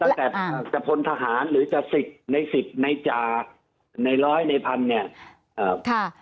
ตั้งแต่จะพ้นทหารหรือจะศิกในศิกในจาในร้อยในพันธุ์